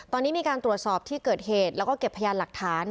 ตอนนี้มีการตรวจสอบที่เกิดเหตุแล้วก็เก็บพยานหลักฐาน